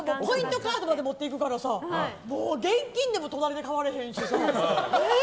カードまで持っていくからさ現金でも隣で買われへんしさ。